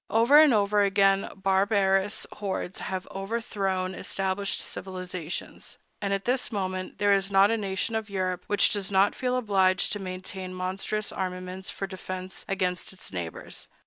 Over and over again barbarous hordes have overthrown established civilizations; and at this moment there is not a nation of Europe which does not feel obliged to maintain monstrous armaments for defense against its neighbors.